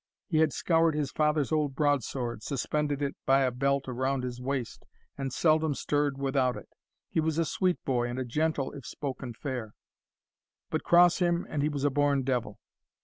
He had scoured his father's old broadsword suspended it by a belt round his waist, and seldom stirred without it. He was a sweet boy and a gentle if spoken fair, but cross him and he was a born devil.